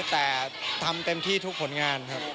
แต่ทำเต็มที่ทุกผลงานครับ